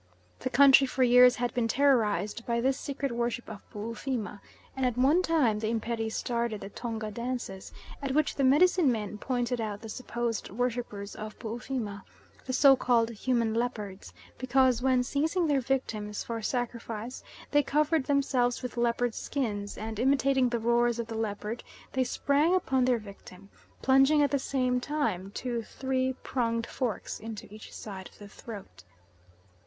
The country for years has been terrorised by this secret worship of Boofima and at one time the Imperi started the Tonga dances, at which the medicine men pointed out the supposed worshippers of Boofima the so called Human Leopards, because when seizing their victims for sacrifice they covered themselves with leopard skins, and imitating the roars of the leopard, they sprang upon their victim, plunging at the same time two three pronged forks into each side of the throat.